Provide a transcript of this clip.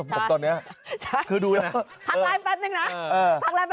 พักไลฟ์แป๊บนึงนะ